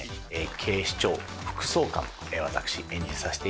警視庁副総監私演じさせて頂いております。